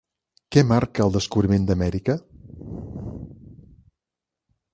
Què marca el descobriment d'Amèrica?